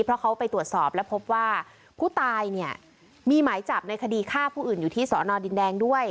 เพราะเขาไปตรวจสอบแล้วพบว่าผู้ตายเนี่ยมีหมายจับในคดีฆ่าผู้อื่นอยู่ที่สอนอดินแดงด้วย